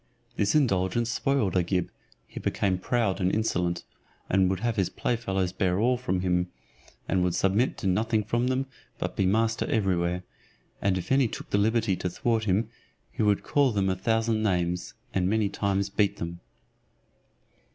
This indulgence spoiled Agib; he became proud and insolent, would have his play fellows bear all from him, and would submit to nothing from them, but be master every where; and if any took the liberty to thwart him, he would call them a thousand names, and many times beat them.